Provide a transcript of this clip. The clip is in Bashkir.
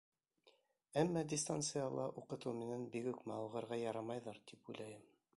Әммә дистанцияла уҡытыу менән бигүк мауығырға ярамайҙыр, тип уйлайым.